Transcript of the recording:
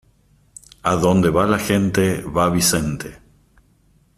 Adonde va la gente, va Vicente.